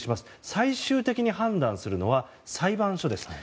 最終的に判断するのは裁判所です。